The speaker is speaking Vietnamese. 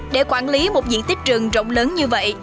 để quản lý một diện tích rừng rộng lớn như vậy